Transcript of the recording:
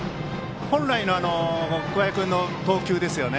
本来の桑江君の投球ですよね。